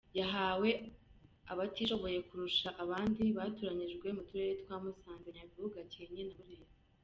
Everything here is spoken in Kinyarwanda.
Yahawe abatishoboye kurusha abandi batoranyijwe mu Turere twa Musanze, Nyabihu, Gakenke na Burera.